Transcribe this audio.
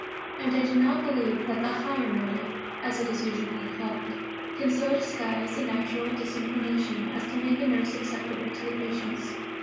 and I do not believe that the 'higher motive' (as it is usually called) can so disguise a natural disinclination as to make a nurse acceptable to the patients.